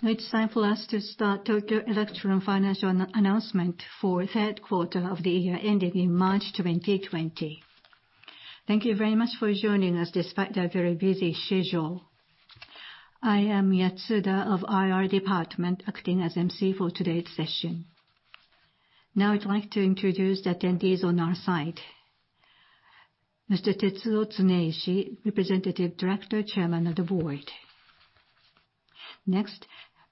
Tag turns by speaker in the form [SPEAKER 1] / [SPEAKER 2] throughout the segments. [SPEAKER 1] It's time for us to start Tokyo Electron financial announcement for third quarter of the year ending March 2020. Thank you very much for joining us despite your very busy schedule. I am Yatsuda of IR Department, acting as emcee for today's session. I'd like to introduce the attendees on our side. Mr. Tetsuo Tsuneishi, Representative Director and Chairman of the Board.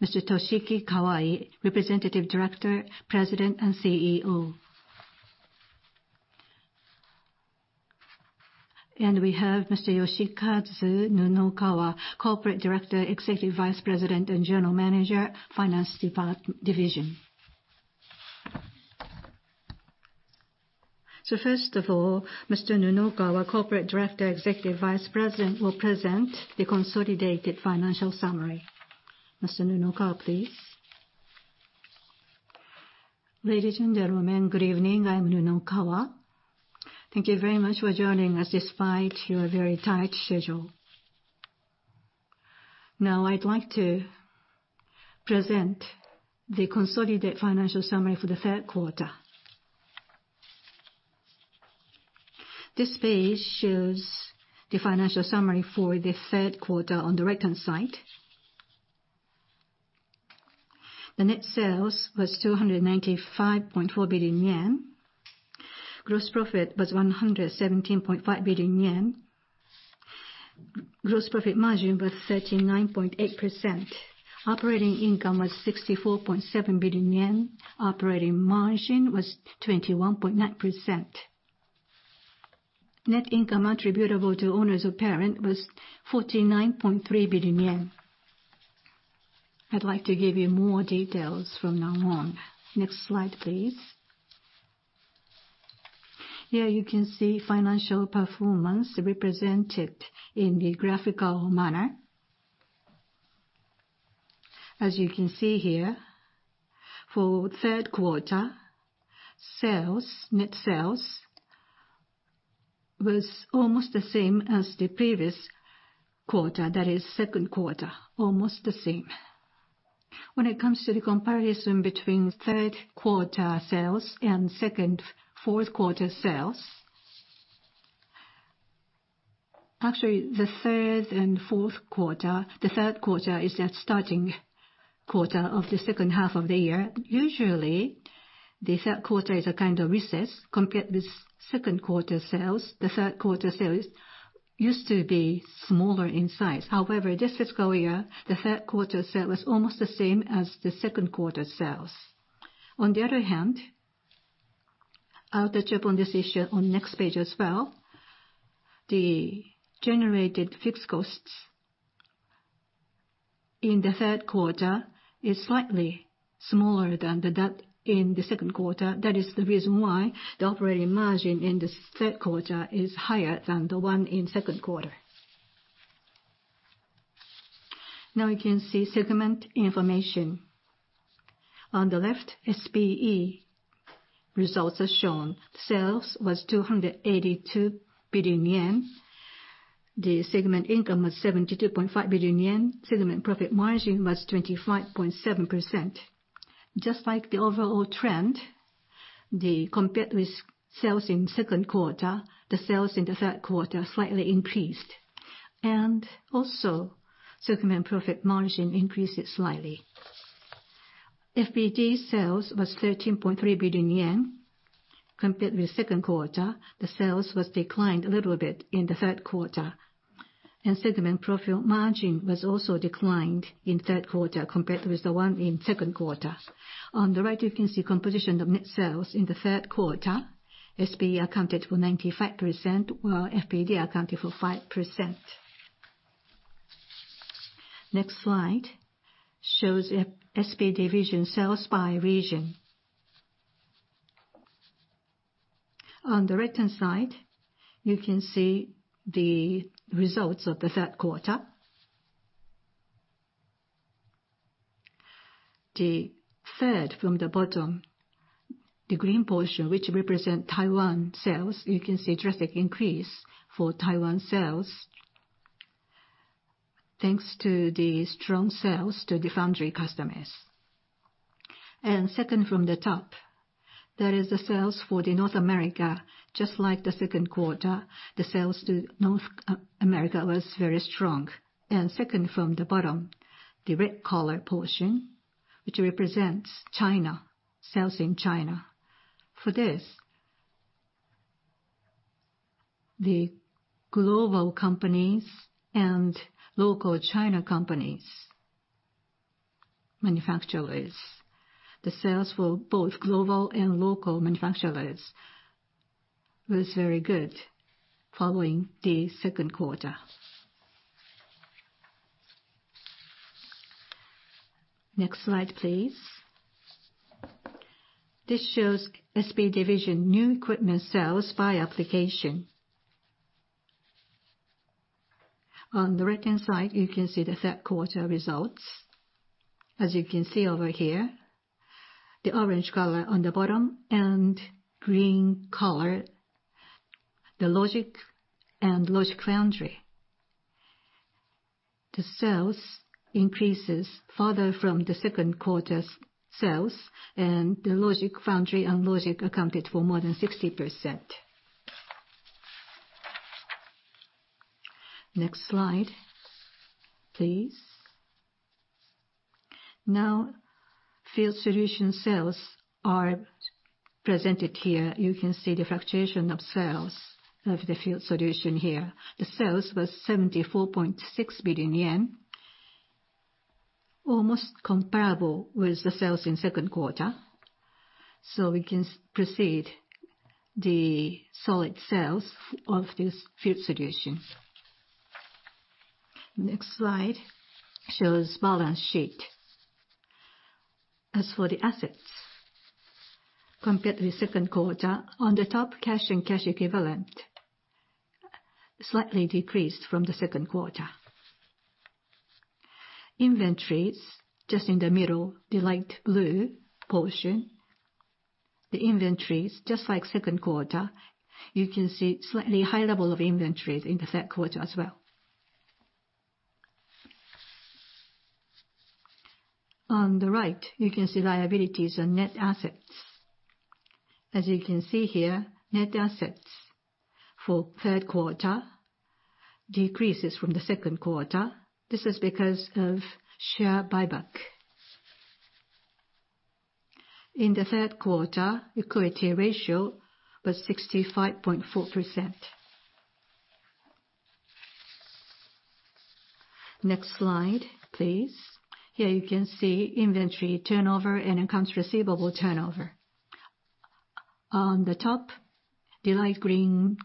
[SPEAKER 1] Mr. Toshiki Kawai, Representative Director, President, and CEO. We have Mr. Yoshikazu Nunokawa, Corporate Director, Executive Vice President, and General Manager of Finance Division. First of all, Mr. Nunokawa, Corporate Director, Executive Vice President will present the consolidated financial summary. Mr. Nunokawa, please.
[SPEAKER 2] Ladies and gentlemen, good evening. I'm Nunokawa. Thank you very much for joining us despite your very tight schedule. I'd like to present the consolidated financial summary for the third quarter. This page shows the financial summary for the third quarter on the right-hand side. The net sales was 295.4 billion yen. Gross profit was 117.5 billion yen. Gross profit margin was 39.8%. Operating income was 64.7 billion yen. Operating margin was 21.9%. Net income attributable to owners of parent was 49.3 billion yen. I'd like to give you more details from now on. Next slide, please. Here you can see financial performance represented in the graphical manner. As you can see here, for third quarter, net sales was almost the same as the previous quarter, that is second quarter, almost the same. When it comes to the comparison between third quarter sales and fourth quarter sales. Actually, the third and fourth quarter, the third quarter is the starting quarter of the second half of the year. Usually, the third quarter is a kind of recess compared with second quarter sales. The third quarter sales used to be smaller in size. This fiscal year, the third quarter sale was almost the same as the second quarter sales. I'll touch up on this issue on next page as well. The generated fixed costs in the third quarter is slightly smaller than that in the second quarter. The reason why the operating margin in the third quarter is higher than the one in second quarter. You can see segment information. On the left, SPE results are shown. Sales was 282 billion yen. The segment income was 72.5 billion yen. Segment profit margin was 25.7%. Just like the overall trend, compared with sales in second quarter, the sales in the third quarter slightly increased, also segment profit margin increased slightly. FPD sales was 13.3 billion yen. Compared with second quarter, the sales was declined a little bit in the third quarter. Segment profit margin was also declined in third quarter compared with the one in second quarter. On the right, you can see composition of net sales in the third quarter. SPE accounted for 95%, while FPD accounted for 5%. Next slide shows SPE division sales by region. On the right-hand side, you can see the results of the third quarter. The third from the bottom, the green portion, which represent Taiwan sales, you can see drastic increase for Taiwan sales, thanks to the strong sales to the foundry customers. Second from the top, that is the sales for the North America. Just like the second quarter, the sales to North America was very strong. Second from the bottom, the red color portion, which represents China. For this, the global companies and local China companies, manufacturers, the sales for both global and local manufacturers was very good following the second quarter. Next slide, please. This shows SPE division new equipment sales by application. On the right-hand side, you can see the third quarter results. As you can see over here, the orange color on the bottom and green color. The logic and logic foundry. The sales increases further from the second quarter's sales, and the logic foundry and logic accounted for more than 60%. Next slide, please. Field solution sales are presented here. You can see the fluctuation of sales of the field solution here. The sales was 74.6 billion yen, almost comparable with the sales in second quarter. We can proceed the solid sales of these field solutions. Next slide shows balance sheet. As for the assets compared with second quarter, on the top, cash and cash equivalent slightly decreased from the second quarter. Inventories, just in the middle, the light blue portion, the inventories, just like second quarter, you can see slightly higher level of inventories in the third quarter as well. On the right, you can see liabilities and net assets. As you can see here, net assets for third quarter decreases from the second quarter. This is because of share buyback. In the third quarter, liquidity ratio was 65.4%. Next slide, please. Here you can see inventory turnover and accounts receivable turnover. On the top, the light green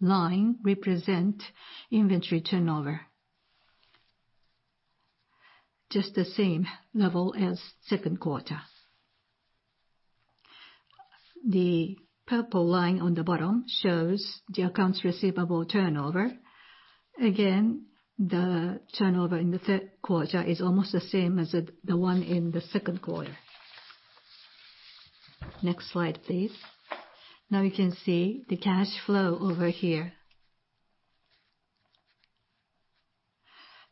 [SPEAKER 2] line represent inventory turnover. Just the same level as second quarter. The purple line on the bottom shows the accounts receivable turnover. Again, the turnover in the third quarter is almost the same as the one in the second quarter. Next slide, please. Now you can see the cash flow over here.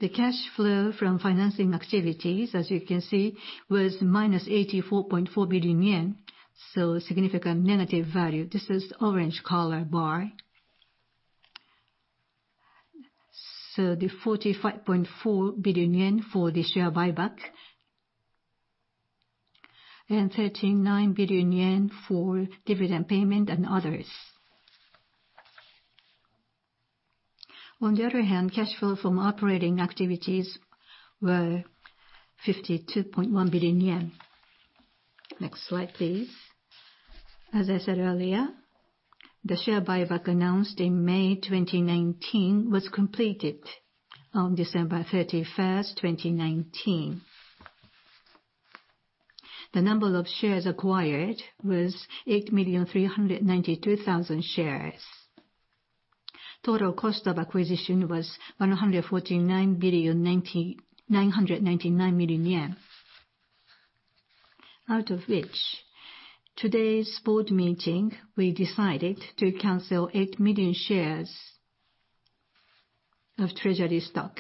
[SPEAKER 2] The cash flow from financing activities, as you can see, was minus 84.4 billion yen, so a significant negative value. This is orange color bar. The 45.4 billion yen for the share buyback, and 39 billion yen for dividend payment and others. On the other hand, cash flow from operating activities were 52.1 billion yen. Next slide, please. As I said earlier, the share buyback announced in May 2019 was completed on December 31st, 2019. The number of shares acquired was 8,392,000 shares. Total cost of acquisition was 149,999 million yen. Out of which, today's board meeting, we decided to cancel 8 million shares of treasury stock,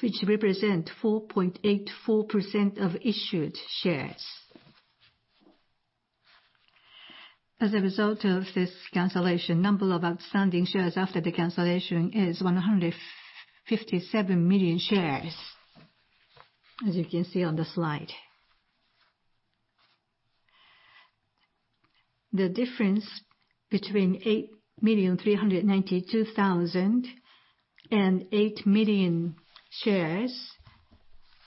[SPEAKER 2] which represent 4.84% of issued shares. As a result of this cancellation, number of outstanding shares after the cancellation is 157 million shares, as you can see on the slide. The difference between 8,392,000 and 8 million shares,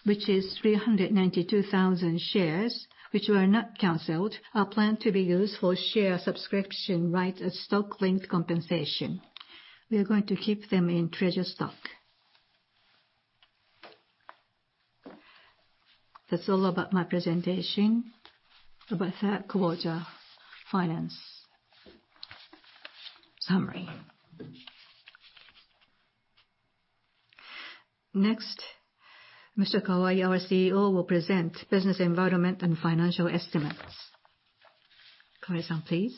[SPEAKER 2] which is 392,000 shares which were not canceled, are planned to be used for share subscription rights as stock link compensation. We are going to keep them in treasury stock. That is all about my presentation, about third quarter finance summary.
[SPEAKER 1] Next, Mr. Kawai, our CEO, will present business environment and financial estimates. Kawai-san, please.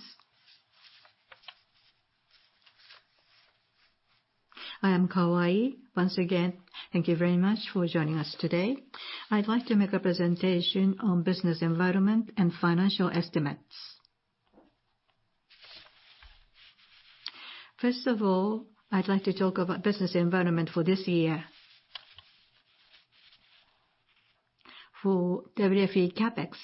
[SPEAKER 3] I am Kawai. Once again, thank you very much for joining us today. I would like to make a presentation on business environment and financial estimates. First of all, I would like to talk about business environment for this year. For WFE CapEx,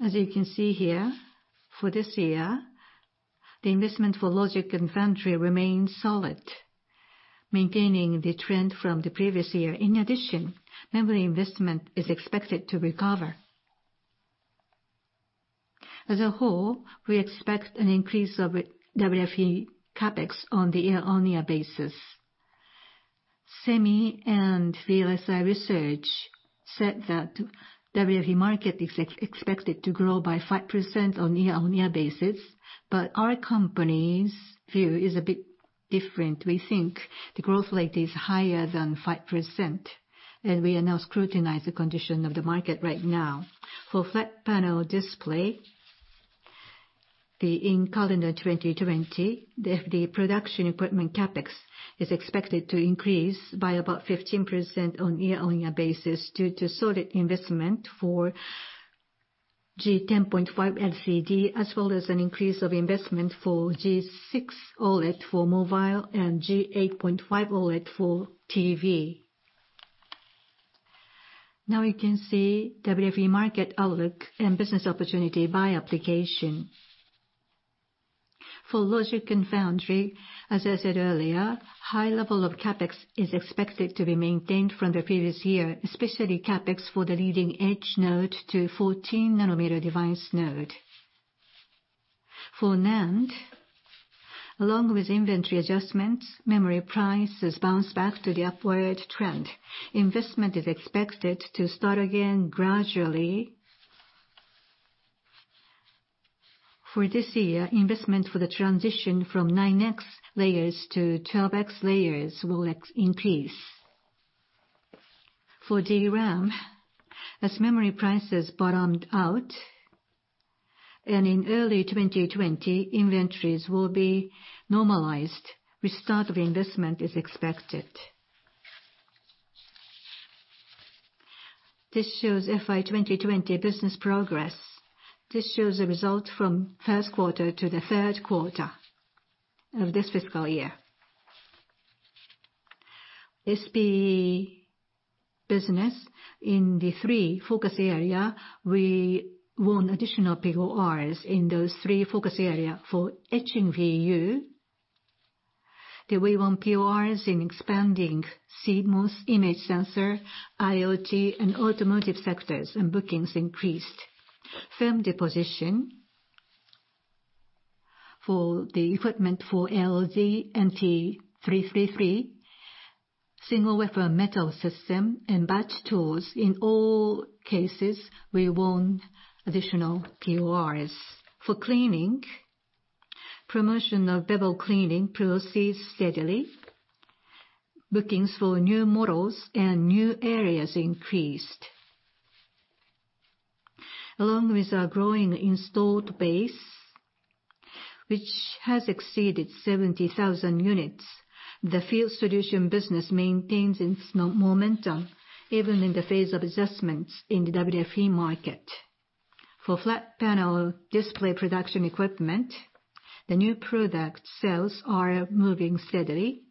[SPEAKER 3] as you can see here, for this year, the investment for logic and foundry remains solid, maintaining the trend from the previous year. In addition, memory investment is expected to recover. As a whole, we expect an increase of WFE CapEx on the year-on-year basis. SEMI and VLSI Research said that WFE market is expected to grow by 5% on a year-on-year basis. Our company's view is a bit different. We think the growth rate is higher than 5%. We are now scrutinizing the condition of the market right now. For flat panel display, in calendar 2020, the production equipment CapEx is expected to increase by about 15% on a year-on-year basis due to solid investment for G10.5 LCD, as well as an increase of investment for G6 OLED for mobile and G8.5 OLED for TV. Now, we can see WFE market outlook and business opportunity by application. For logic and foundry, as I said earlier, high level of CapEx is expected to be maintained from the previous year, especially CapEx for the leading-edge node to 14 nm device node. For NAND, along with inventory adjustments, memory prices bounce back to the upward trend. Investment is expected to start again gradually. For this year, investment for the transition from 9x-layers to 12x layers will increase. For DRAM, as memory prices bottomed out, and in early 2020, inventories will be normalized, restart of investment is expected. This shows FY 2020 business progress. This shows the result from first quarter to the third quarter of this fiscal year. SB business in the three focus area, we won additional PORs in those three focus area. For etching BU, we won PORs in expanding CMOS image sensor, IoT, and automotive sectors, and bookings increased. Film deposition for the equipment for ALD and T333, single wafer metal system, and batch tools. In all cases, we won additional PORs. For cleaning, promotion of bevel cleaning proceeds steadily. Bookings for new models and new areas increased. Along with our growing installed base, which has exceeded 70,000 units, the field solution business maintains its momentum even in the face of adjustments in the WFE market. For flat panel display production equipment, the new product sales are moving steadily.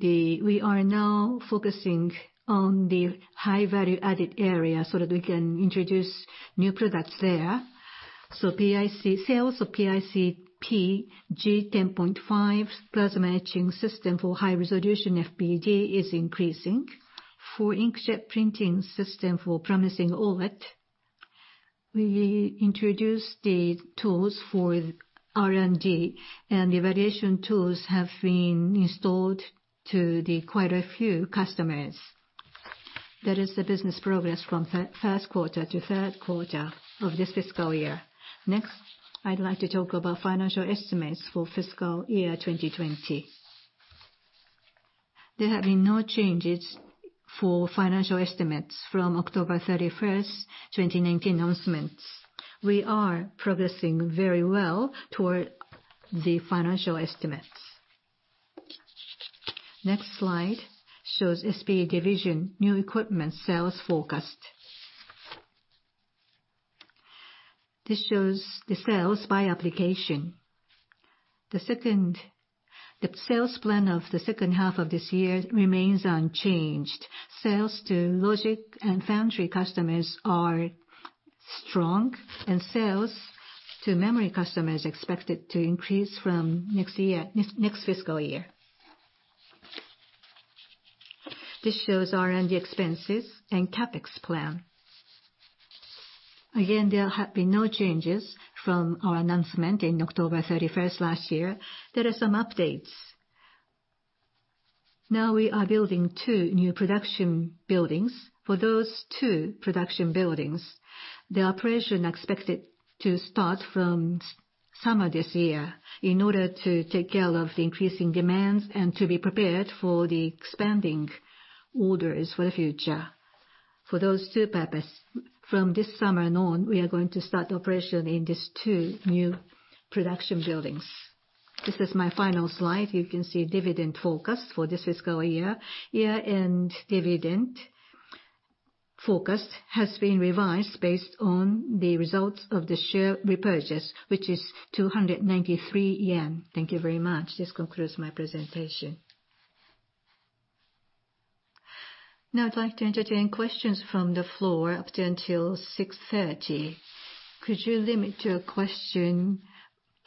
[SPEAKER 3] We are now focusing on the high value-added area that we can introduce new products there. Sales of PICP G10.5 plasma etching system for high-resolution FPD is increasing. For inkjet printing system for promising OLED, we introduced the tools for R&D, and the evaluation tools have been installed to quite a few customers. That is the business progress from first quarter to third quarter of this fiscal year. Next, I'd like to talk about financial estimates for fiscal year 2020. There have been no changes for financial estimates from October 31st, 2019 announcements. We are progressing very well toward the financial estimates. Next slide shows SPE division new equipment sales forecast. This shows the sales by application. The sales plan of the second half of this year remains unchanged. Sales to logic and foundry customers are strong, and sales to memory customers expected to increase from next fiscal year. This shows R&D expenses and CapEx plan. Again, there have been no changes from our announcement in October 31st last year. There are some updates. Now we are building two new production buildings. For those two production buildings, the operation expected to start from summer this year in order to take care of the increasing demands and to be prepared for the expanding orders for the future. For those two purpose, from this summer and on, we are going to start operation in these two new production buildings. This is my final slide. You can see dividend forecast for this fiscal year. Year-end dividend forecast has been revised based on the results of the share repurchase, which is 293 yen. Thank you very much. This concludes my presentation.
[SPEAKER 1] Now I'd like to entertain questions from the floor up until 6:30 P.M. Could you limit your question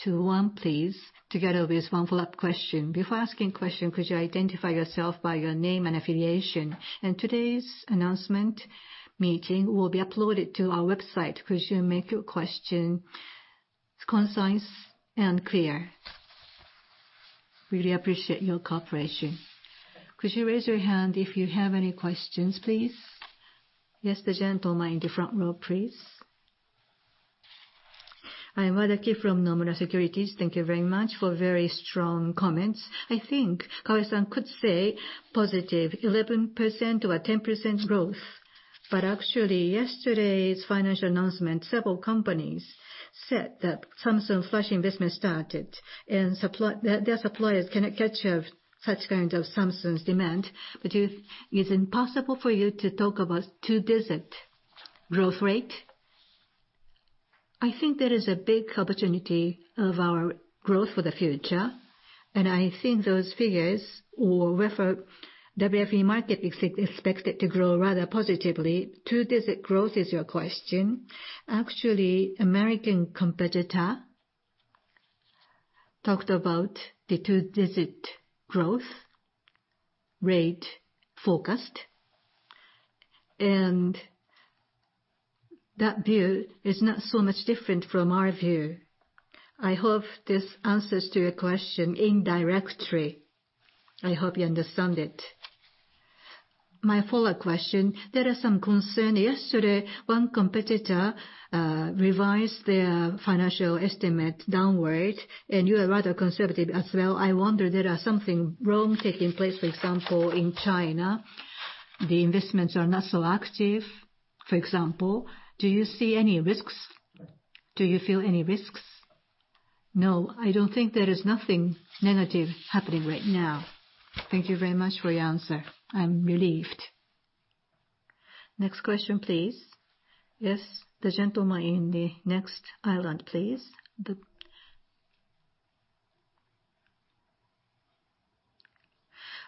[SPEAKER 1] to one, please, together with one follow-up question. Before asking question, could you identify yourself by your name and affiliation. Today's announcement meeting will be uploaded to our website. Could you make your question concise and clear? Really appreciate your cooperation. Could you raise your hand if you have any questions, please? Yes, the gentleman in the front row, please.
[SPEAKER 4] I am Wadaki from Nomura Securities. Thank you very much for very strong comments. I think Kawai-san could say +11% or 10% growth, but actually yesterday's financial announcement, several companies said that Samsung flash investment started, and their suppliers cannot catch such kind of Samsung's demand. Is it possible for you to talk about two-digit growth rate?
[SPEAKER 3] I think there is a big opportunity of our growth for the future, and I think those figures, or WFE market is expected to grow rather positively. Two-digit growth is your question. Actually, American competitor talked about the two-digit growth rate forecast. That view is not so much different from our view. I hope this answers to your question indirectly. I hope you understand it.
[SPEAKER 4] My follow-up question, there are some concern. Yesterday, one competitor revised their financial estimate downward, and you are rather conservative as well. I wonder, there are something wrong taking place? For example, in China, the investments are not so active, for example. Do you see any risks? Do you feel any risks?
[SPEAKER 3] I don't think there is nothing negative happening right now.
[SPEAKER 4] Thank you very much for your answer. I'm relieved.
[SPEAKER 1] Next question, please. Yes, the gentleman in the next island, please.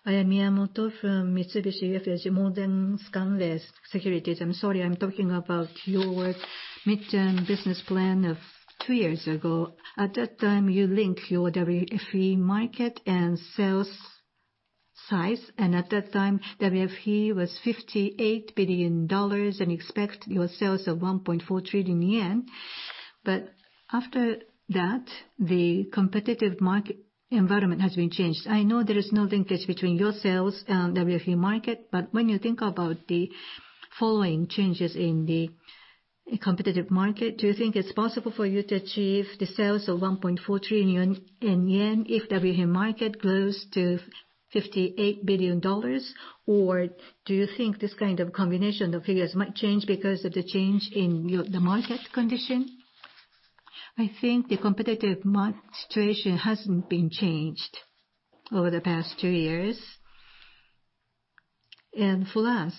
[SPEAKER 5] I am Miyamoto from Mitsubishi UFJ Morgan Stanley Securities. I am sorry. I am talking about your midterm business plan of two years ago. At that time, you link your WFE market and sales size, and at that time, WFE was $58 billion and expect your sales of 1.4 trillion yen. After that, the competitive environment has been changed. I know there is no linkage between your sales and WFE market, but when you think about the following changes in the competitive market, do you think it's possible for you to achieve the sales of 1.4 trillion in yen if WFE market grows to $58 billion? Do you think this kind of combination of figures might change because of the change in the market condition?
[SPEAKER 3] I think the competitive situation hasn't been changed over the past two years. For us,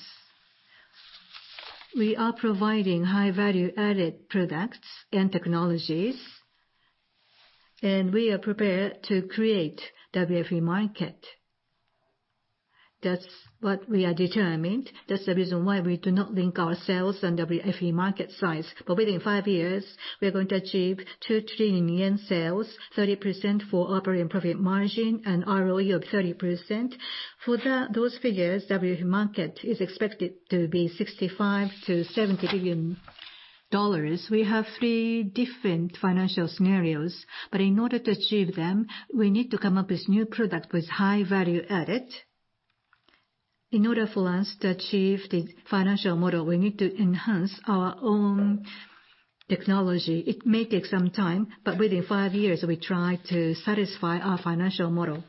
[SPEAKER 3] we are providing high value-added products and technologies, we are prepared to create WFE market. That's what we are determined. That's the reason why we do not link our sales and WFE market size. Within five years, we are going to achieve 2 trillion in yen sales, 30% for operating profit margin, and ROE of 30%. For those figures, WFE market is expected to be $65 billion-$70 billion. We have three different financial scenarios, in order to achieve them, we need to come up with new product with high value add. In order for us to achieve the financial model, we need to enhance our own technology. It may take some time, within five years, we try to satisfy our financial model.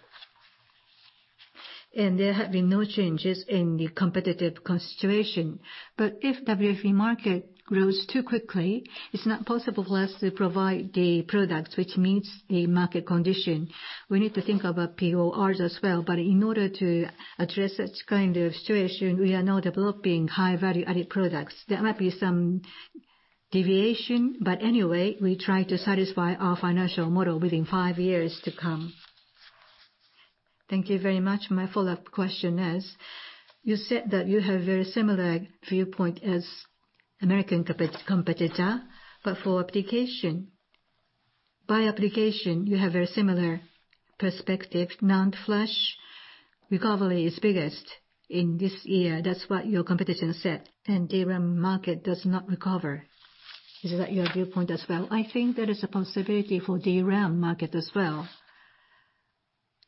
[SPEAKER 3] There have been no changes in the competitive situation. If WFE market grows too quickly, it's not possible for us to provide the product which meets the market condition. We need to think about PORs as well. In order to address that kind of situation, we are now developing high value-added products. There might be some deviation, but anyway, we try to satisfy our financial model within five years to come.
[SPEAKER 5] Thank you very much. My follow-up question is, you said that you have very similar viewpoint as American competitor, but for application. By application, you have very similar perspective. NAND flash recovery is biggest in this year. That's what your competitor said, and DRAM market does not recover. Is that your viewpoint as well?
[SPEAKER 3] I think there is a possibility for DRAM market as well.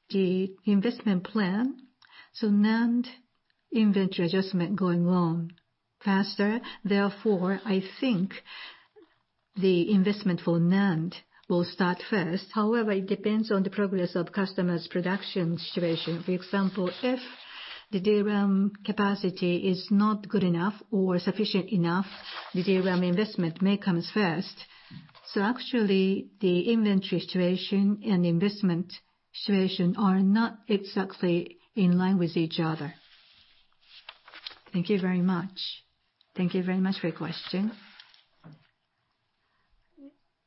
[SPEAKER 3] The investment plan, so NAND inventory adjustment going on faster, therefore, I think the investment for NAND will start first. However, it depends on the progress of customers' production situation. For example, if the DRAM capacity is not good enough or sufficient enough, the DRAM investment may come first. Actually, the inventory situation and investment situation are not exactly in line with each other.
[SPEAKER 5] Thank you very much.
[SPEAKER 1] Thank you very much for your question.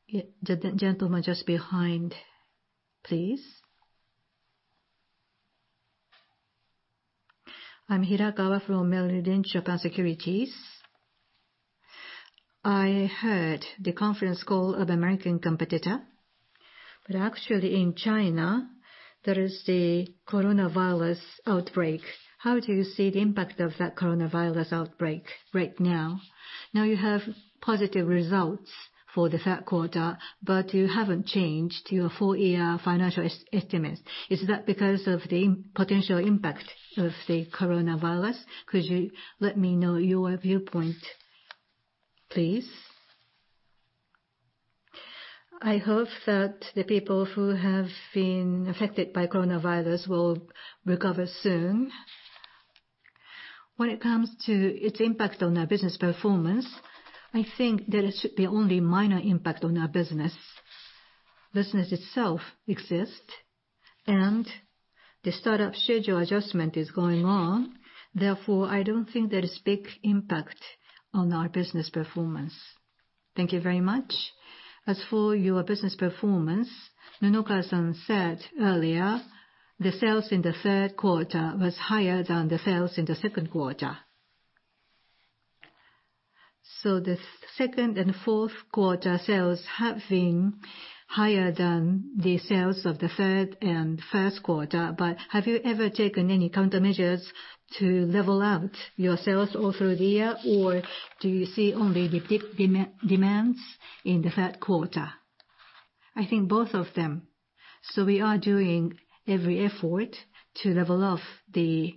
[SPEAKER 1] The gentleman just behind, please.
[SPEAKER 6] I'm Hirakawa from Merrill Lynch Japan Securities. I heard the conference call of American competitor. Actually, in China, there is the coronavirus outbreak. How do you see the impact of that coronavirus outbreak right now? Now you have positive results for the third quarter, you haven't changed your full-year financial estimates. Is that because of the potential impact of the coronavirus? Could you let me know your viewpoint, please?
[SPEAKER 3] I hope that the people who have been affected by coronavirus will recover soon. When it comes to its impact on our business performance, I think that it should be only minor impact on our business. Business itself exists, and the startup schedule adjustment is going on. I don't think there is big impact on our business performance.
[SPEAKER 6] Thank you very much. As for your business performance, Nunokawa-san said earlier the sales in the third quarter was higher than the sales in the second quarter. The second and fourth quarter sales have been higher than the sales of the third and first quarter. Have you ever taken any countermeasures to level out your sales all through the year, or do you see only the demands in the third quarter?
[SPEAKER 2] I think both of them. We are doing every effort to level off the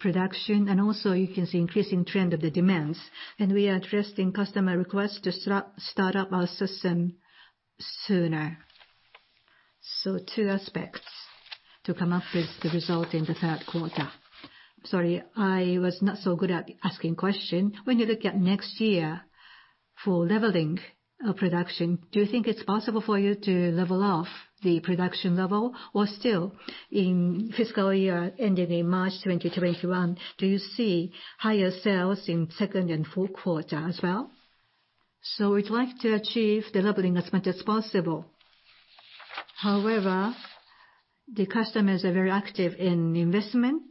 [SPEAKER 2] production, and also you can see increasing trend of the demands. We are addressing customer requests to start up our system sooner. Two aspects to come up with the result in the third quarter.
[SPEAKER 6] Sorry, I was not so good at asking question. When you look at next year for leveling of production, do you think it's possible for you to level off the production level? Still, in fiscal year ending in March 2021, do you see higher sales in second and fourth quarter as well?
[SPEAKER 2] We'd like to achieve the leveling as much as possible. However, the customers are very active in investment.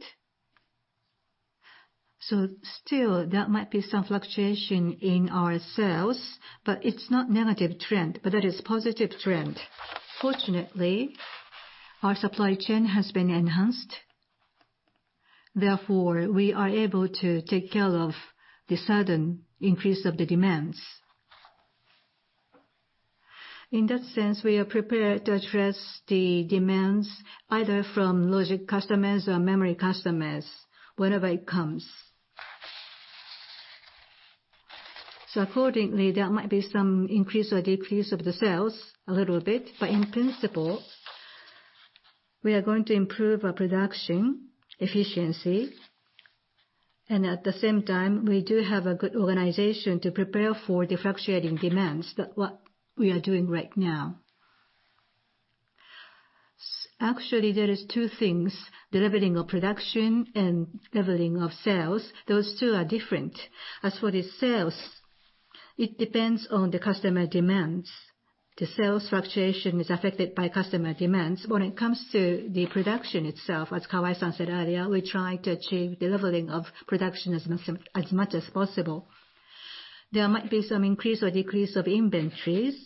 [SPEAKER 2] Still, there might be some fluctuation in our sales, but it's not negative trend. That is positive trend. Fortunately, our supply chain has been enhanced. Therefore, we are able to take care of the sudden increase of the demands. In that sense, we are prepared to address the demands either from logic customers or memory customers whenever it comes. Accordingly, there might be some increase or decrease of the sales a little bit, but in principle, we are going to improve our production efficiency. At the same time, we do have a good organization to prepare for the fluctuating demands. That's what we are doing right now. Actually, there is two things, the leveling of production and leveling of sales. Those two are different. As for the sales, it depends on the customer demands. The sales fluctuation is affected by customer demands. When it comes to the production itself, as Kawai-san said earlier, we try to achieve the leveling of production as much as possible. There might be some increase or decrease of inventories.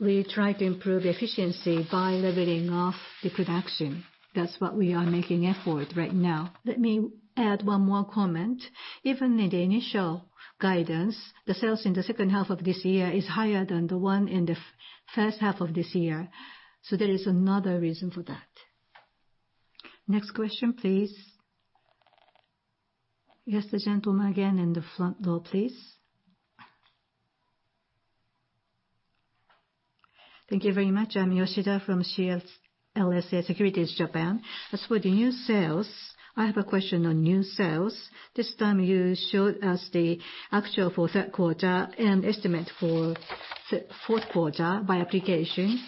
[SPEAKER 2] We try to improve efficiency by leveling off the production. That's what we are making effort right now.
[SPEAKER 3] Let me add one more comment. Even in the initial guidance, the sales in the second half of this year is higher than the one in the first half of this year. There is another reason for that. Next question, please.
[SPEAKER 1] Yes, the gentleman again in the front door, please.
[SPEAKER 7] Thank you very much. I'm Yoshida from CLSA Securities Japan. As for the new sales, I have a question on new sales. This time you showed us the actual for third quarter and estimate for fourth quarter by application.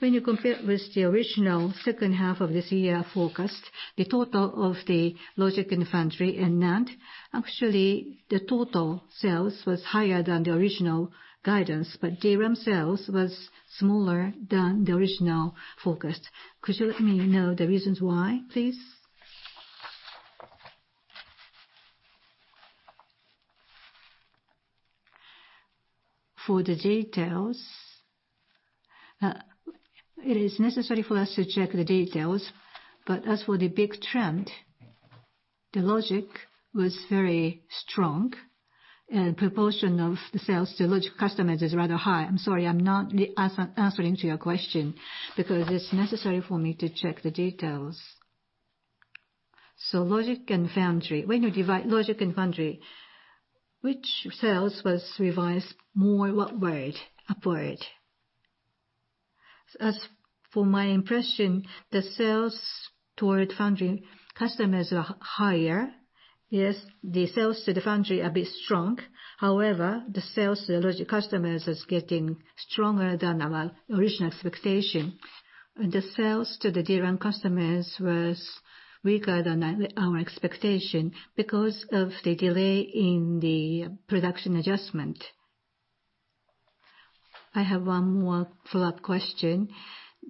[SPEAKER 7] When you compare with the original second half of this year forecast, the total of the logic and foundry and NAND, actually, the total sales was higher than the original guidance, but DRAM sales was smaller than the original forecast. Could you let me know the reasons why, please?
[SPEAKER 3] For the details, it is necessary for us to check the details. As for the big trend, the Logic was very strong, and proportion of the sales to Logic customers is rather high. I'm sorry, I'm not answering to your question because it's necessary for me to check the details.
[SPEAKER 7] Logic and Foundry. When you divide Logic and Foundry, which sales was revised more, what way? Upward.
[SPEAKER 3] As for my impression, the sales toward Foundry customers are higher. Yes, the sales to the Foundry a bit strong. However, the sales to the Logic customers is getting stronger than our original expectation. The sales to the DRAM customers was weaker than our expectation because of the delay in the production adjustment.
[SPEAKER 7] I have one more follow-up question.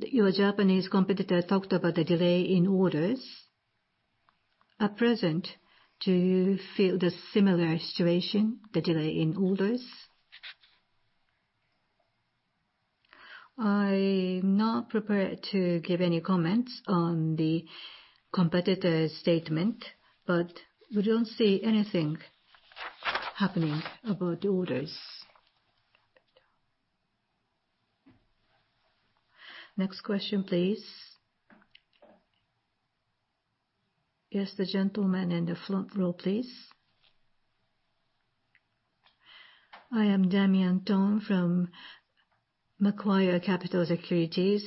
[SPEAKER 7] Your Japanese competitor talked about the delay in orders. At present, do you feel the similar situation, the delay in orders?
[SPEAKER 3] I'm not prepared to give any comments on the competitor statement, but we don't see anything happening about the orders. Next question, please.
[SPEAKER 1] Yes, the gentleman in the front row, please.
[SPEAKER 8] I am Damian Thong from Macquarie Capital Securities.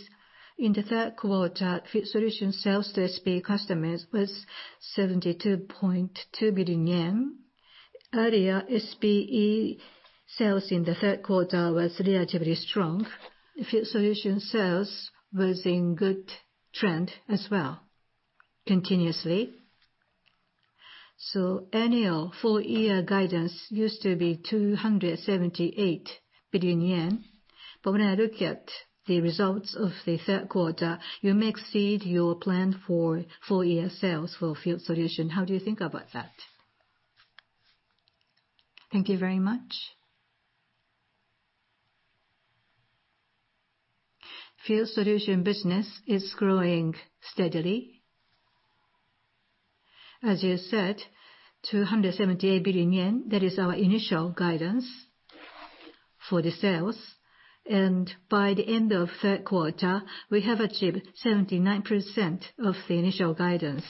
[SPEAKER 8] In the third quarter, field solution sales to SPE customers was 72.2 billion yen. Earlier, SPE sales in the third quarter was relatively strong. The field solution sales was in good trend as well, continuously. Annual full year guidance used to be 278 billion yen. When I look at the results of the third quarter, you may exceed your plan for full year sales for field solution. How do you think about that?
[SPEAKER 2] Thank you very much. Field solution business is growing steadily. As you said, 278 billion yen, that is our initial guidance for the sales. By the end of third quarter, we have achieved 79% of the initial guidance.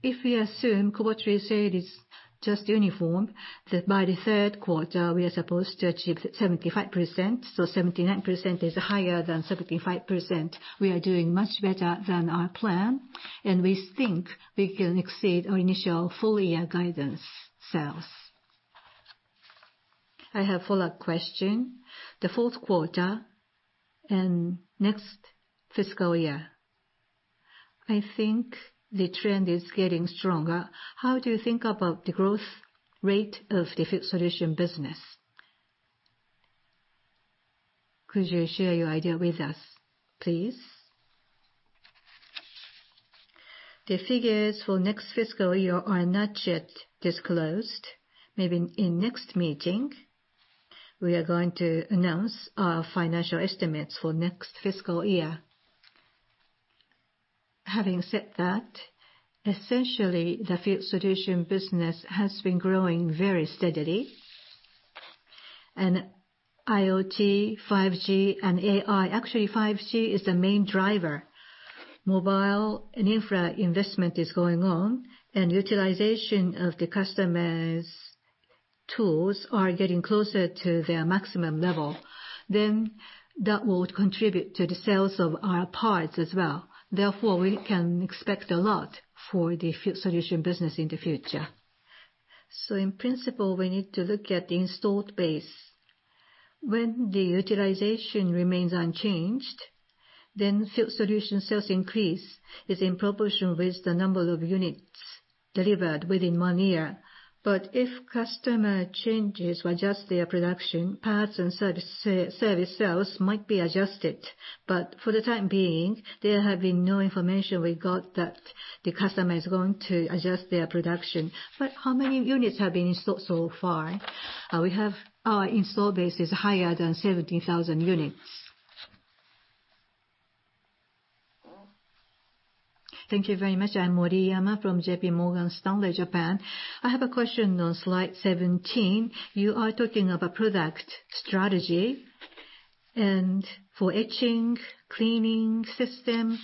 [SPEAKER 2] If we assume quarterly sale is just uniform, that by the third quarter we are supposed to achieve 75%. 79% is higher than 75%. We are doing much better than our plan. We think we can exceed our initial full year guidance sales.
[SPEAKER 8] I have follow-up question. The fourth quarter and next fiscal year, I think the trend is getting stronger. How do you think about the growth rate of the field solution business? Could you share your idea with us, please?
[SPEAKER 2] The figures for next fiscal year are not yet disclosed. Maybe in next meeting, we are going to announce our financial estimates for next fiscal year.
[SPEAKER 8] Having said that, essentially, the field solution business has been growing very steadily. IoT, 5G, and AI, actually 5G is the main driver. Mobile and infra investment is going on, utilization of the customer's tools are getting closer to their maximum level. That would contribute to the sales of our parts as well. Therefore, we can expect a lot for the field solution business in the future. In principle, we need to look at the installed base. When the utilization remains unchanged, then field solution sales increase is in proportion with the number of units delivered within one year. If customer changes or adjust their production, parts and service sales might be adjusted. For the time being, there have been no information we got that the customer is going to adjust their production. How many units have been installed so far?
[SPEAKER 3] Our installed base is higher than 70,000 units. Thank you very much.
[SPEAKER 9] I'm Moriyama from JPMorgan Stanley, Japan. I have a question on slide 17. You are talking about product strategy and for etching, cleaning system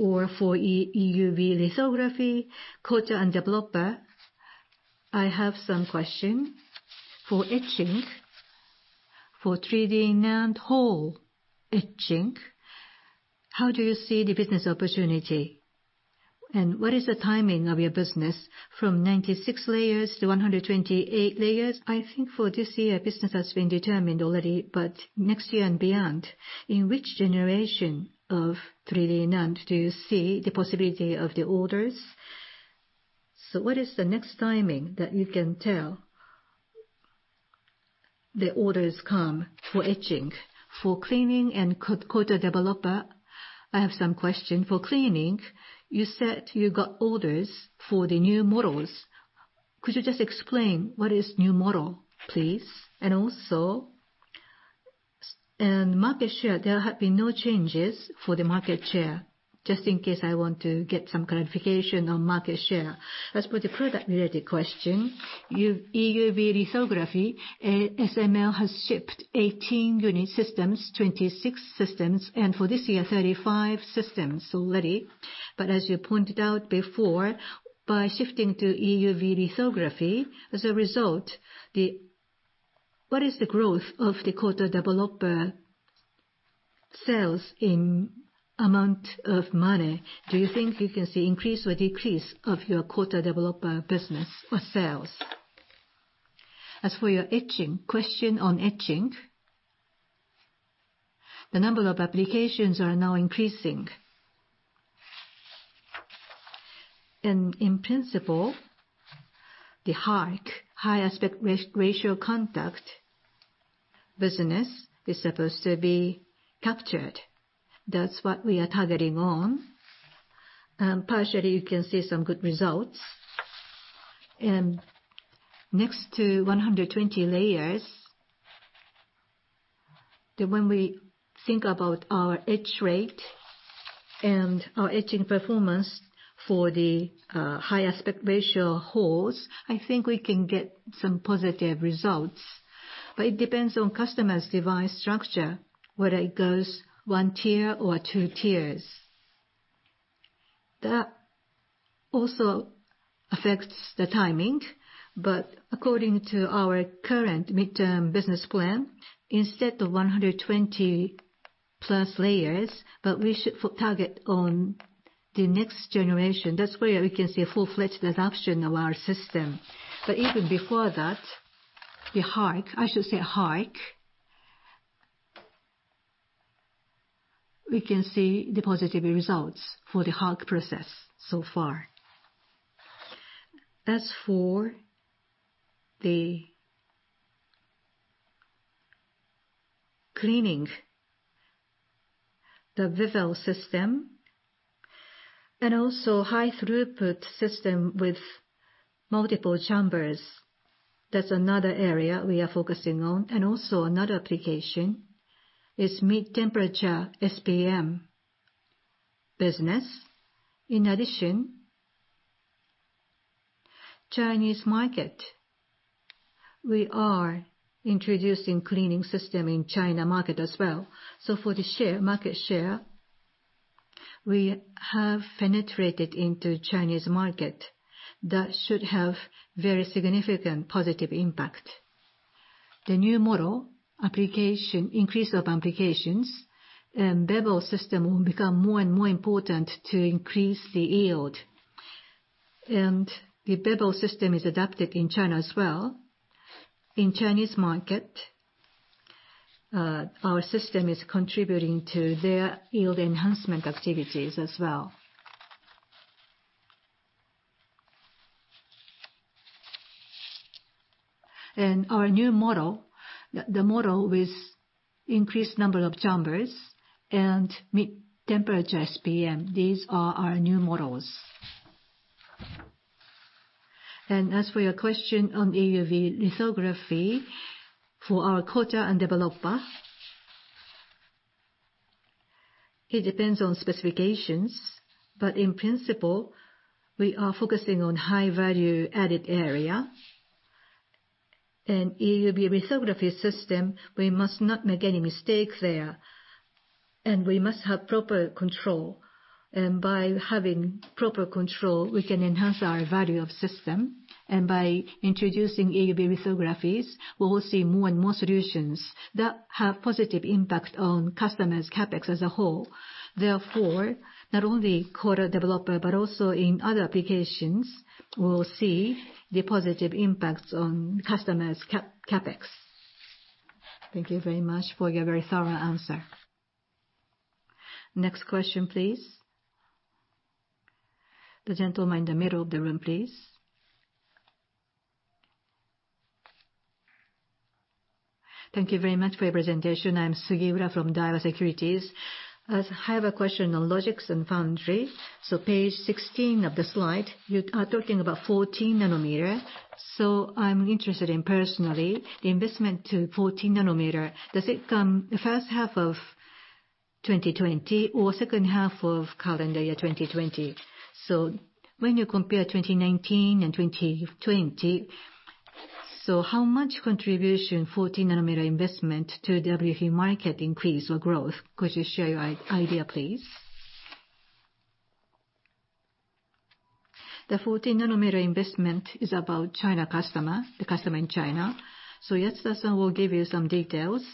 [SPEAKER 9] or for EUV lithography, coater and developer. I have some question. For etching, for 3D NAND hole etching, how do you see the business opportunity? What is the timing of your business from 96 layers to 128 layers? I think for this year, business has been determined already, but next year and beyond, in which generation of 3D NAND do you see the possibility of the orders? What is the next timing that you can tell the orders come for etching? For cleaning and coater developer, I have some question. For cleaning, you said you got orders for the new models. Could you just explain what is new model, please? Also, and market share, there have been no changes for the market share. Just in case I want to get some clarification on market share. As for the product-related question, EUV lithography, ASML has shipped 18 unit systems, 26 systems, and for this year, 35 systems already. As you pointed out before, by shifting to EUV lithography, as a result, what is the growth of the coater developer sales in amount of money? Do you think you can see increase or decrease of your coater developer business or sales?
[SPEAKER 3] As for your etching, question on etching. The number of applications are now increasing. In principle, the HARC, High Aspect Ratio Contact business is supposed to be captured. That's what we are targeting on. Partially, you can see some good results. Next to 120 layers, when we think about our etch rate and our etching performance for the high aspect ratio holes, I think we can get some positive results. It depends on customer's device structure, whether it goes 1 tier or 2 tiers. That also affects the timing. According to our current midterm business plan, instead of 120+ layers, we should put target on the next generation. That's where we can see a full-fledged adoption of our system. Even before that, the HARC, I should say HARC, we can see the positive results for the HARC process so far. As for the cleaning, the bevel system, and also high throughput system with multiple chambers, that's another area we are focusing on, and also another application is mid-temperature SPM business. In addition, Chinese market, we are introducing cleaning system in China market as well. For the market share, we have penetrated into Chinese market. That should have very significant positive impact. The new model application, increase of applications, and bevel system will become more and more important to increase the yield. The bevel system is adapted in China as well. In Chinese market, our system is contributing to their yield enhancement activities as well. Our new model, the model with increased number of chambers and mid-temperature SPM, these are our new models. As for your question on EUV lithography, for our coater and developer, it depends on specifications, but in principle, we are focusing on high-value added area. EUV lithography system, we must not make any mistake there, and we must have proper control. By having proper control, we can enhance our value of system. By introducing EUV lithographies, we will see more and more solutions that have positive impact on customers' CapEx as a whole. Therefore, not only coater developer, but also in other applications, we will see the positive impacts on customers' CapEx.
[SPEAKER 9] Thank you very much for your very thorough answer.
[SPEAKER 1] Next question, please. The gentleman in the middle of the room, please.
[SPEAKER 10] Thank you very much for your presentation. I'm Sugiura from Daiwa Securities. I have a question on logic and foundry. Page 16 of the slide, you are talking about 14 nm. I'm interested in, personally, the investment to 14 nm. Does it come the first half of 2020 or second half of calendar year 2020? When you compare 2019 and 2020, how much contribution 14 nm investment to WFE market increase or growth? Could you share your idea, please?
[SPEAKER 3] The 14 nm investment is about China customer, the customer in China. Yatsuda-san will give you some details.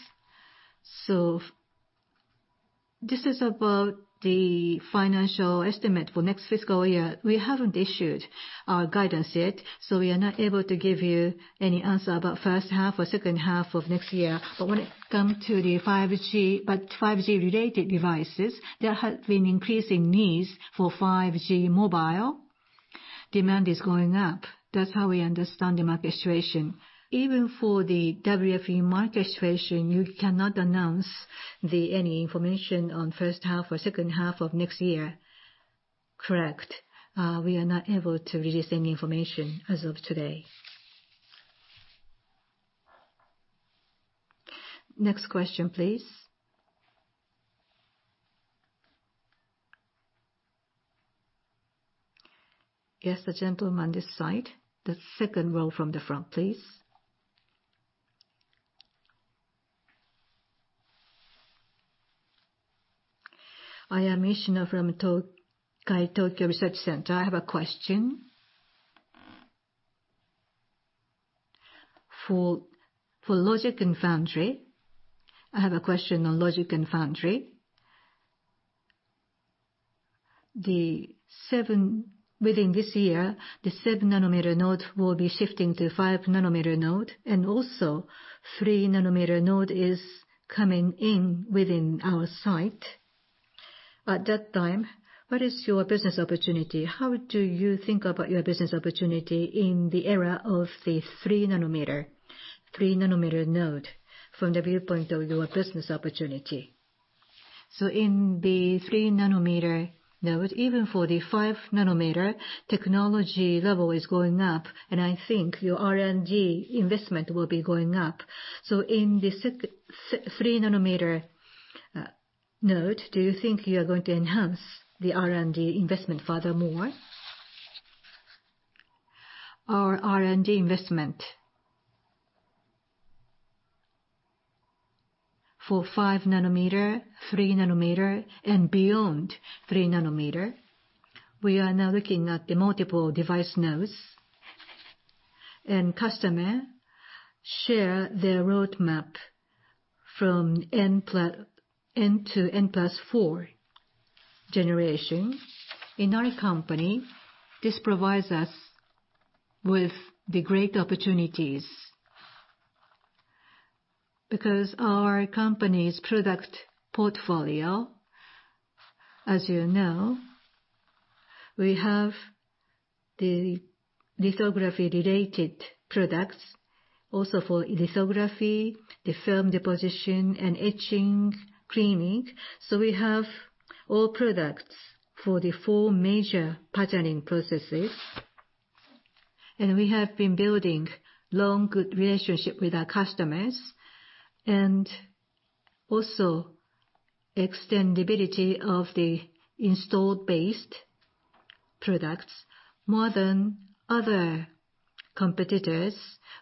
[SPEAKER 3] This is about the financial estimate for next fiscal year. We haven't issued our guidance yet, so we are not able to give you any answer about first half or second half of next year. When it come to the 5G-related devices, there has been increasing needs for 5G mobile. Demand is going up. That's how we understand the market situation.
[SPEAKER 10] Even for the WFE market situation, you cannot announce any information on first half or second half of next year?
[SPEAKER 3] Correct. We are not able to release any information as of today. Next question, please.
[SPEAKER 1] Yes, the gentleman this side, the second row from the front, please.
[SPEAKER 11] I am Ishino from Tokai Tokyo Research Center. I have a question. For logic and foundry, I have a question on logic and foundry. Within this year, the 7 nm node will be shifting to 5 nm node and also 3 nm node is coming in within our sight. At that time, what is your business opportunity? How do you think about your business opportunity in the era of the 3 nm node from the viewpoint of your business opportunity? In the 3 nm, now even for the 5 nm technology level is going up, and I think your R&D investment will be going up. In the 3 nm node, do you think you are going to enhance the R&D investment furthermore?
[SPEAKER 2] Our R&D investment for 5 nm, 3 nm, and beyond 3 nm, we are now looking at the multiple device nodes, and customer share their roadmap from N to N+4 generation. In our company, this provides us with the great opportunities. Our company's product portfolio, as you know, we have the lithography related products, also for lithography, the film deposition and etching, cleaning. We have all products for the four major patterning processes, and we have been building long, good relationship with our customers, and also extendibility of the installed base products more than other competitors.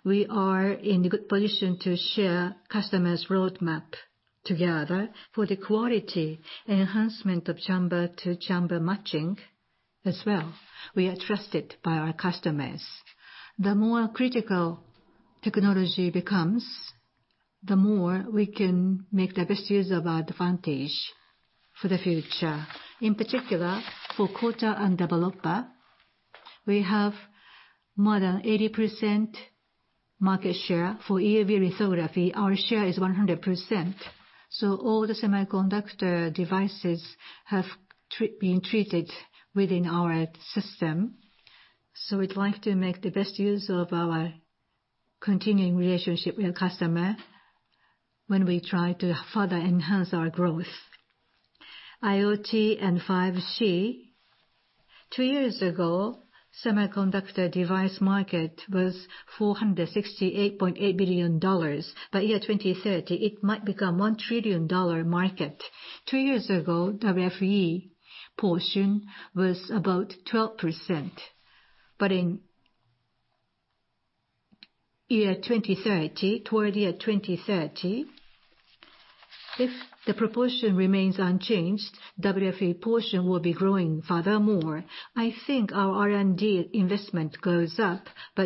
[SPEAKER 2] We are in a good position to share customers' roadmap together for the quality enhancement of chamber-to-chamber matching as well. We are trusted by our customers. The more critical technology becomes, the more we can make the best use of our advantage for the future. In particular, for coater and developer, we have more than 80% market share. For EUV lithography, our share is 100%. All the semiconductor devices have been treated within our system. We'd like to make the best use of our continuing relationship with customer when we try to further enhance our growth. IoT and 5G, two years ago, semiconductor device market was $468.8 billion. By 2030, it might become $1 trillion market. Two years ago, WFE portion was about 12%, in 2030, toward 2030, if the proportion remains unchanged, WFE portion will be growing furthermore. I think our R&D investment goes up,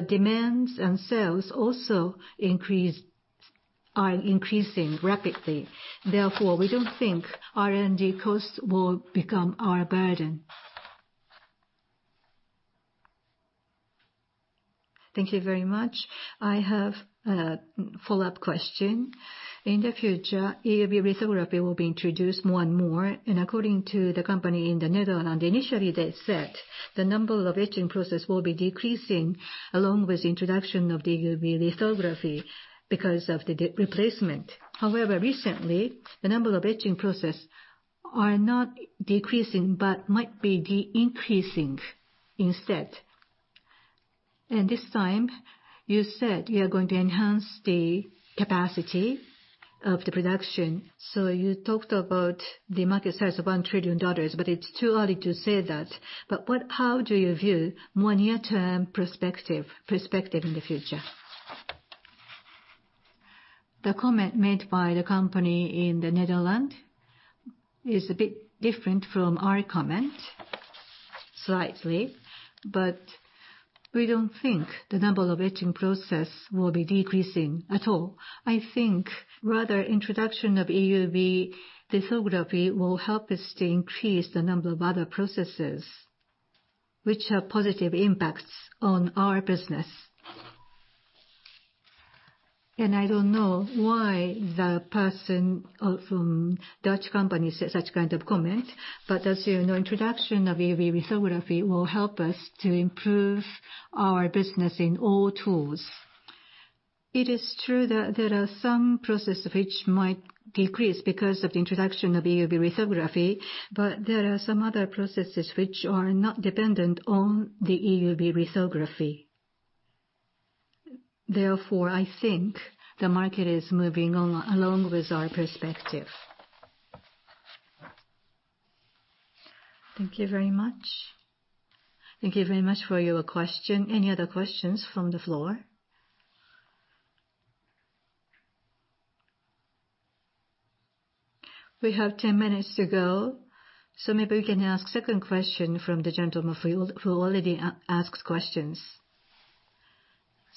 [SPEAKER 2] demands and sales also are increasing rapidly. We don't think R&D costs will become our burden.
[SPEAKER 11] Thank you very much. I have a follow-up question. In the future, EUV lithography will be introduced more and more, according to ASML, initially they said the number of etching process will be decreasing along with introduction of the EUV lithography because of the replacement. However, recently, the number of etching processes are not decreasing, but might be de-increasing instead. This time, you said you are going to enhance the capacity of the production. You talked about the market size of JPY 1 trillion, but it's too early to say that. How do you view more near term perspective in the future?
[SPEAKER 3] The comment made by company in the Netherlands is a bit different from our comment, slightly. We don't think the number of etching processes will be decreasing at all. I think rather, introduction of EUV lithography will help us to increase the number of other processes which have positive impacts on our business. I don't know why the person from Dutch company said such kind of comment, but as you know, introduction of EUV lithography will help us to improve our business in all tools. It is true that there are some processes which might decrease because of the introduction of EUV lithography, but there are some other processes which are not dependent on the EUV lithography. Therefore, I think the market is moving along with our perspective.
[SPEAKER 11] Thank you very much.
[SPEAKER 1] Thank you very much for your question. Any other questions from the floor? We have 10 minutes to go. Maybe we can ask second question from the gentleman who already asked questions.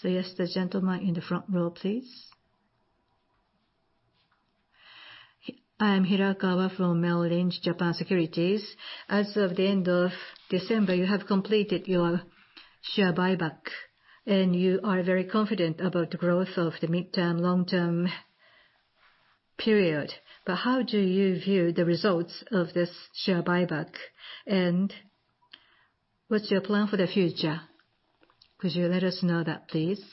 [SPEAKER 1] Yes, the gentleman in the front row, please.
[SPEAKER 6] I am Hirakawa from Merrill Lynch Japan Securities. As of the end of December, you have completed your share buyback. You are very confident about the growth of the midterm, long-term period. How do you view the results of this share buyback, and what's your plan for the future? Could you let us know that, please.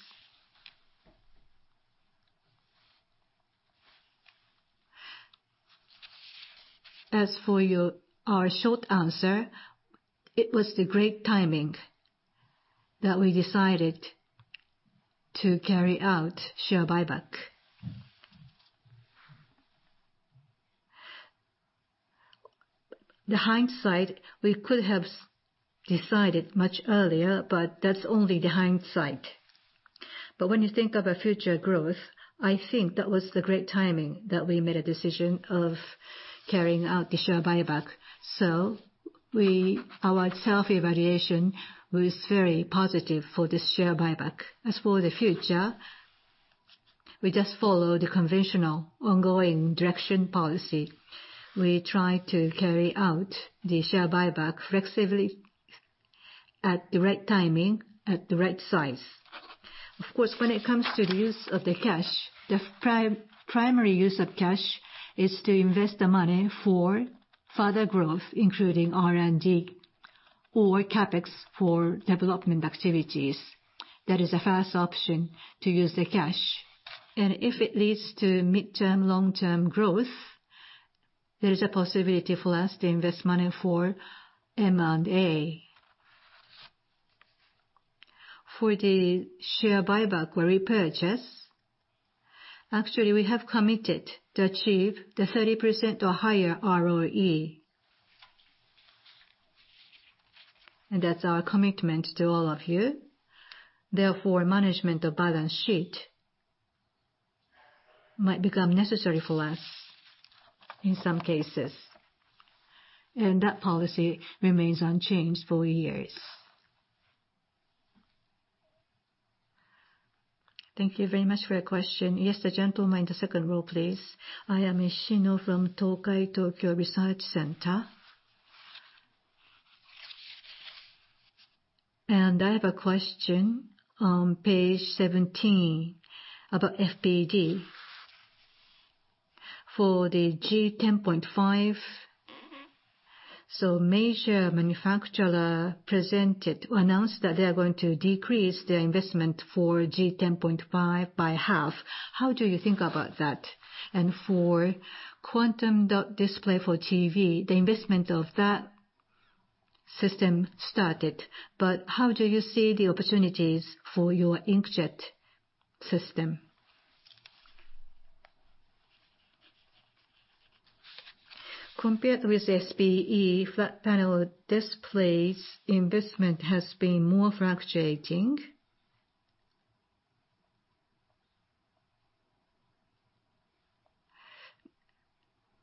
[SPEAKER 3] As for our short answer, it was the great timing that we decided to carry out share buyback. The hindsight, we could have decided much earlier, that's only the hindsight. When you think about future growth, I think that was the great timing that we made a decision of carrying out the share buyback. Our self-evaluation was very positive for this share buyback. As for the future, we just follow the conventional ongoing direction policy. We try to carry out the share buyback flexibly at the right timing, at the right size. Of course, when it comes to the use of the cash, the primary use of cash is to invest the money for further growth, including R&D or CapEx for development activities. That is the first option to use the cash. If it leads to mid-term, long-term growth, there is a possibility for us to invest money for M&A. For the share buyback or repurchase, actually, we have committed to achieve the 30% or higher ROE. That's our commitment to all of you. Therefore, management of balance sheet might become necessary for us in some cases, and that policy remains unchanged for years.
[SPEAKER 1] Thank you very much for your question. Yes, the gentleman in the second row, please.
[SPEAKER 11] I am Ishino from Tokai Tokyo Research Center. I have a question on page 17 about FPD. For the G10.5, major manufacturer presented or announced that they are going to decrease their investment for G10.5 by half. How do you think about that? For quantum dot display for TV, the investment of that system started, but how do you see the opportunities for your inkjet system?
[SPEAKER 3] Compared with SPE, flat panel displays investment has been more fluctuating.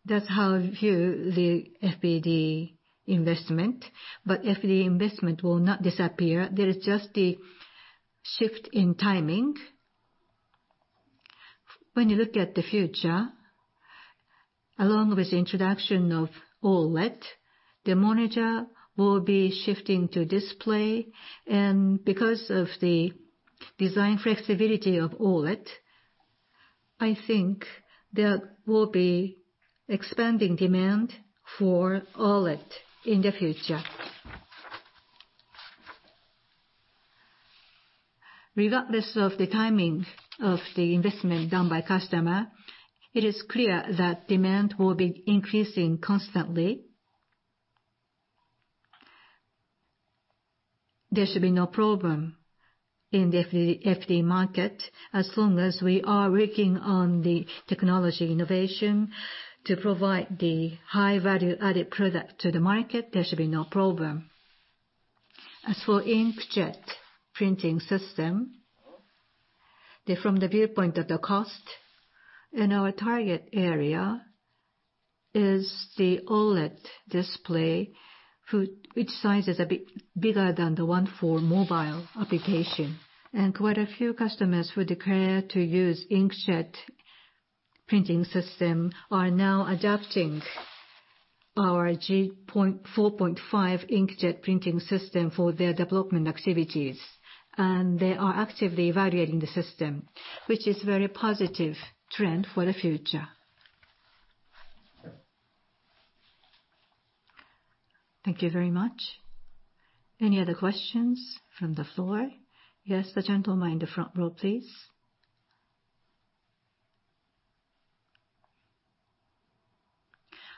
[SPEAKER 3] That's how I view the FPD investment. FPD investment will not disappear. There is just the shift in timing. When you look at the future, along with the introduction of OLED, the monitor will be shifting to display. Because of the design flexibility of OLED, I think there will be expanding demand for OLED in the future. Regardless of the timing of the investment done by customer, it is clear that demand will be increasing constantly. There should be no problem in the FPD market. As long as we are working on the technology innovation to provide the high value added product to the market, there should be no problem. Inkjet printing system, from the viewpoint of the cost and our target area is the OLED display, which size is a bit bigger than the one for mobile application. Quite a few customers who declare to use inkjet printing system are now adopting our G4.5 inkjet printing system for their development activities. They are actively evaluating the system, which is very positive trend for the future.
[SPEAKER 11] Thank you very much.
[SPEAKER 1] Any other questions from the floor? Yes, the gentleman in the front row, please.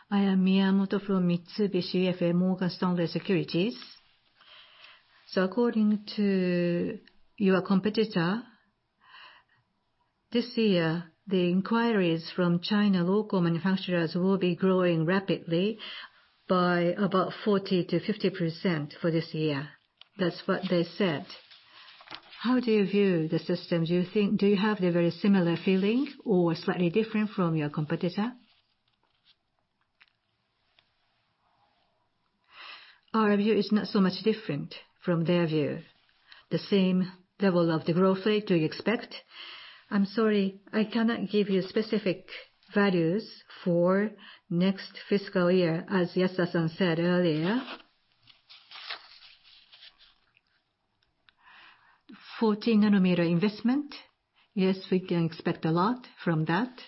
[SPEAKER 5] I am Miyamoto from Mitsubishi UFJ Morgan Stanley Securities. According to your competitor, this year, the inquiries from China local manufacturers will be growing rapidly by about 40%-50% for this year. That's what they said. How do you view the systems? Do you have the very similar feeling or slightly different from your competitor? Our view is not so much different from their view. The same level of the growth rate do you expect?
[SPEAKER 3] I'm sorry, I cannot give you specific values for next fiscal year, as Yatsuda said earlier. 14 nanometer investment, yes, we can expect a lot from that.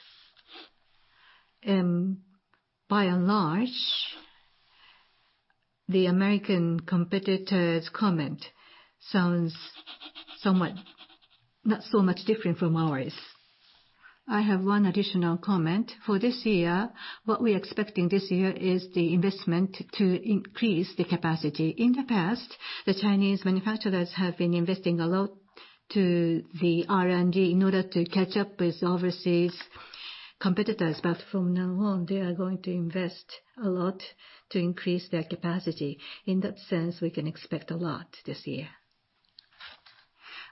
[SPEAKER 3] By and large, the American competitor's comment sounds not so much different from ours. I have one additional comment. For this year, what we're expecting this year is the investment to increase the capacity. In the past, the Chinese manufacturers have been investing a lot to the R&D in order to catch up with overseas competitors. From now on, they are going to invest a lot to increase their capacity. In that sense, we can expect a lot this year.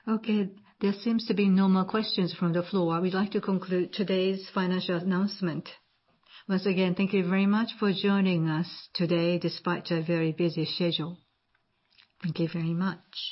[SPEAKER 1] Okay. There seems to be no more questions from the floor. We'd like to conclude today's financial announcement. Once again, thank you very much for joining us today despite your very busy schedule.
[SPEAKER 3] Thank you very much.